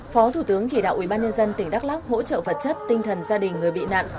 phó thủ tướng chỉ đạo ubnd tỉnh đắk lắc hỗ trợ vật chất tinh thần gia đình người bị nạn